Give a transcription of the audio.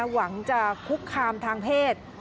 หวังจะคุกคามทางเพศ